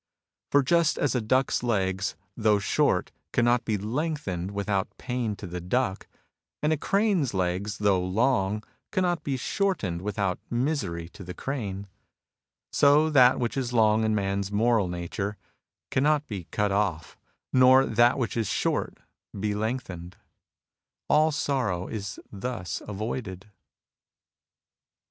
For just as a duck's legs, though short, cannot be lengthened without pain to the duck, and a crane's legs, though long, cannot be shortened without misery to the crane, so that which is long in man's moral nature cannot be cut NATURAL GOODNESS 97 off, nor that which is short be lengthened. All sorrow is thus avoided.